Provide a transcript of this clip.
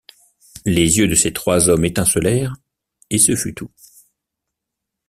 Les yeux de ces trois hommes étincelèrent, et ce fut tout.